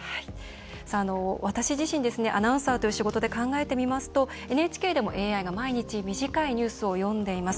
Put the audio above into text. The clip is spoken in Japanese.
私自身ですね、アナウンサーという仕事で考えてみますとＮＨＫでもＡＩが毎日短いニュースを読んでいます。